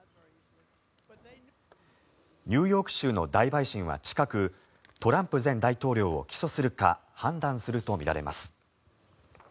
ニューヨーク州の大陪審は近くトランプ前大統領を起訴するか判断するとみられます。